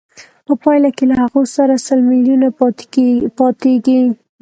په پایله کې له هغه سره سل میلیونه پاتېږي